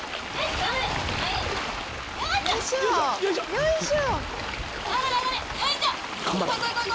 よいしょ。